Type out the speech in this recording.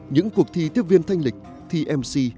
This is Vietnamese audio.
những cuộc thi tiếp viên thanh lịch thi mc